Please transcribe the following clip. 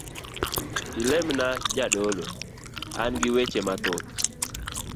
Ilemina jadolo, angi weche mathoth.